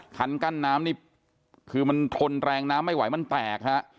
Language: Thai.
คันกั้นน้ำนี่คือมันทนแรงน้ำไม่ไหวมันแตกฮะ